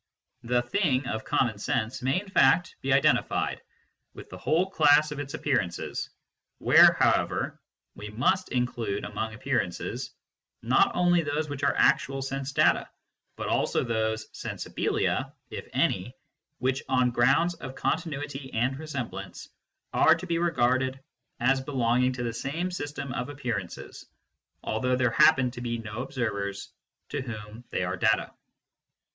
The " thing " of common sense may in fact be identified with the whole class of its appearances where, however, we must include among appearances not only those which are actual sense data, but also those " sensibilia," if any, which, on grounds of con tinuity and resemblance, are to be regarded as belonging to the same system of appearances, although there happen to be no observers to whom they are data.